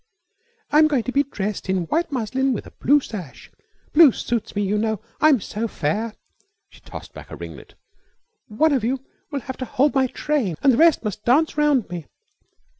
"I'm going to be dressed in white muslin with a blue sash. Blue suits me, you know. I'm so fair." She tossed back a ringlet. "One of you will have to hold my train and the rest must dance round me.